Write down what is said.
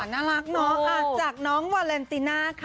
น่ารักเนาะจากน้องวาเลนติน่าค่ะ